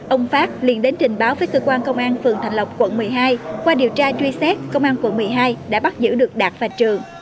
ông phát liền đến trình báo với cơ quan công an phường thạnh lộc quận một mươi hai qua điều tra truy xét công an quận một mươi hai đã bắt giữ được đạt và trường